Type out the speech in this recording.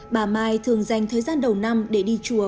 bà mai thường dành thời gian đầu năm để đi chùa